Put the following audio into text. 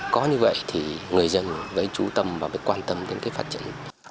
có như vậy thì người dân phải trú tâm và phải quan tâm đến phát triển